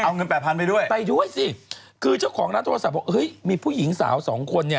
เอาเงินแปดพันไปด้วยไปด้วยสิคือเจ้าของร้านโทรศัพท์บอกเฮ้ยมีผู้หญิงสาวสองคนเนี่ย